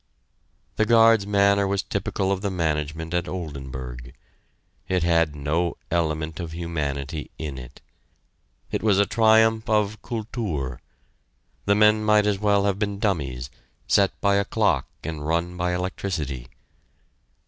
The guard's manner was typical of the management at Oldenburg. It had no element of humanity in it. It was a triumph of Kultur. The men might as well have been dummies, set by a clock and run by electricity.